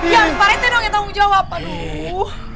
ya pak rt doang yang tanggung jawab aduh